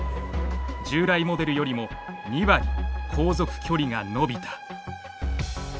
従来モデルよりも２割「航続距離」が延びた。